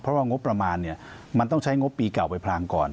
เพราะว่างบประมาณเนี่ยมันต้องใช้งบปีเก่าไปพลางก่อน